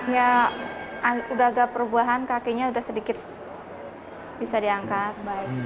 ya udah agak perubahan kakinya udah sedikit bisa diangkat